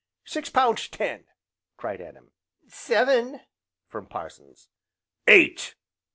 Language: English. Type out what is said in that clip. "Six pound ten!" cried Adam. "Seven!" from Parsons. "Eight!"